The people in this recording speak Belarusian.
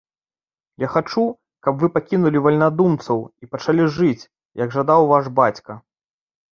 Я хачу, каб вы пакінулі вальнадумцаў і пачалі жыць, як жадаў ваш бацька!